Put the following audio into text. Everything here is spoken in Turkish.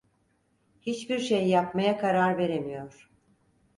Hiçbir şey yapmaya karar veremiyor…